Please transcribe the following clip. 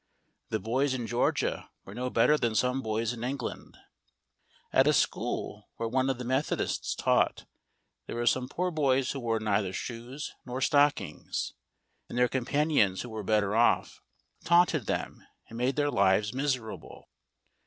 The boys in Georgia were no better than some boys in England. At a school where one of the Methodists taught there were some poor boys who wore neither shoes nor stockings, and their companions who were better off taunted them and made their lives miserable.